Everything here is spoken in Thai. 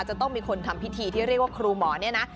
จะต้องมีคนทำพิธีที่เรียกว่าครูหมอเนี่ยนะ